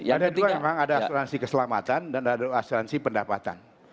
ada dua memang ada asuransi keselamatan dan ada asuransi pendapatan